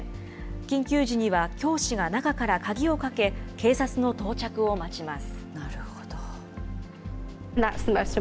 緊急時には教師が中から鍵をかけ、警察の到着を待ちます。